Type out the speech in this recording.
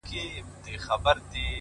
په دې وطن کي هيڅ د گلو کر نه دی په کار!!